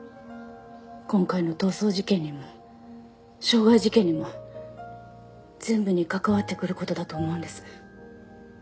今回の逃走事件にも傷害事件にも全部に関わってくる事だと思うんです。